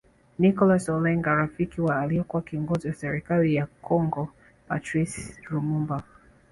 Nicholas Olenga rafiki wa aliekua kiongozo wa serikali ya Kongo Patrice Lumumba